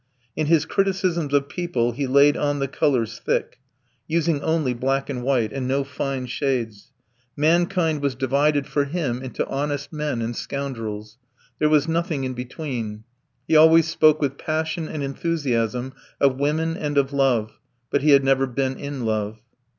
In his criticisms of people he laid on the colours thick, using only black and white, and no fine shades; mankind was divided for him into honest men and scoundrels: there was nothing in between. He always spoke with passion and enthusiasm of women and of love, but he had never been in love.